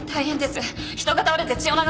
人が倒れて血を流しています！